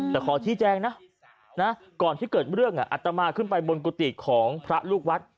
แต่ขอชี้แจงนะก่อนที่เกิดเรื่องอัตมาขึ้นไปบนกุฏิของพระลูกวัด